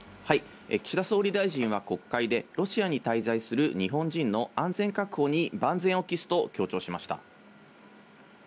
岸田総理大臣は国会で、ロシアに滞在する日本人の安全確保に万全を期すと強調しました。